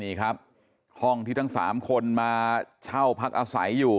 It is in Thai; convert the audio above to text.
นี่ครับห้องที่ทั้ง๓คนมาเช่าพักอาศัยอยู่